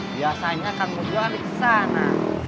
biasanya kan berbalik ke sana